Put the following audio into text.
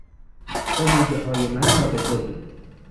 امیدهای من نابجا بود.